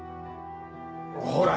ほら！